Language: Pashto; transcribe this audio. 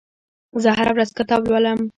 زه هره ورځ کتاب لولم.